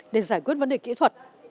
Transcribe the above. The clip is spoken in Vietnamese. để giải quyết vấn đề kỹ thuật